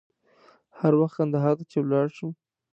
هر وخت کندهار ته چې ولاړ شم.